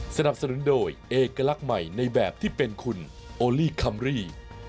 สนับสนุนโดยเอกลักษณ์ใหม่ในแบบที่เป็นคุณโอลี่คัมรี่